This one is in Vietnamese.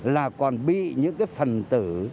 là còn bị những cái phần tử